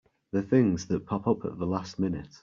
The things that pop up at the last minute!